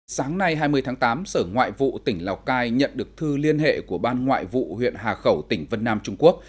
sáng nay hai mươi tháng tám sở ngoại vụ tỉnh lào cai nhận được thư liên hệ của ban ngoại vụ huyện hà khẩu tỉnh vân nam trung quốc